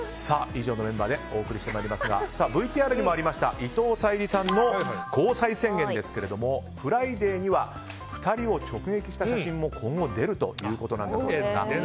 以上のメンバーでお送りしてまいりますがＶＴＲにもありました伊藤沙莉さんの交際宣言ですがフライデーには２人を直撃した写真も今後、出るということです。